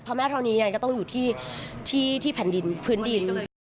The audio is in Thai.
เพราะแม่เท่านี้ยังไงก็ต้องอยู่ที่แผ่นดินพื้นดินด้วย